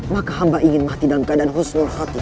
maka hamba ingin mati dalam keadaan khusnul khatuh